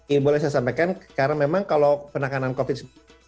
ini boleh saya sampaikan karena memang kalau penanganan covid sembilan belas